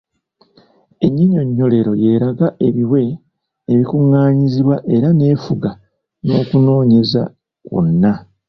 Ennyinyonnyolero y’eraga ebiwe ebikuŋŋaanyizibwa era n’efuga n’okunoonyeeza kwonna.